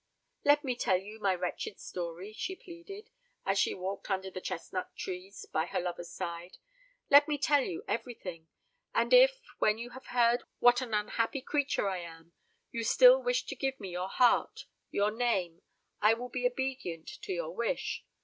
"Let me tell you my wretched story," she pleaded, as she walked under the chestnut trees by her lover's side. "Let me tell you everything. And if, when you have heard what an unhappy creature I am, you still wish to give me your heart, your name, I will be obedient to your wish.